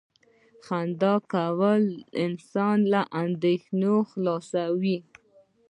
• خندا کول انسان له اندېښنو خلاصوي.